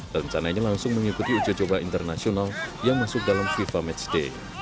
rencananya langsung mengikuti ujicoba internasional yang masuk dalam fifa match day